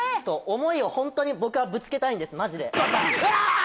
思いをホントに僕はぶつけたいんですマジでバンバン！